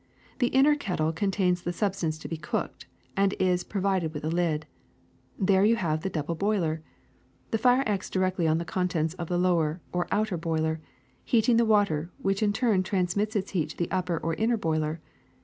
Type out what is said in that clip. The inner kettle contains the substance to be cooked, and is provided with a lid. There you have the double boiler. The fire acts directly on the contents of the lower or outer boiler, heating the water, which in turn transmits its heat to the upper or inner boiler.